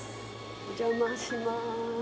お邪魔します。